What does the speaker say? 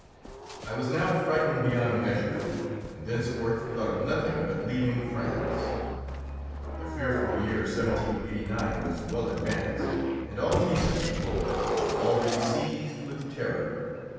I was now frightened beyond measure, and thenceforth thought of nothing but leaving France. The fearful year 1789 was well advanced, and all decent people were already seized with terror.